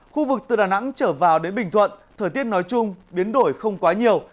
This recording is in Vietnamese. khu vực từ đà nẵng trở vào đến bình thuận thời tiết nói chung biến đổi không quá nhiều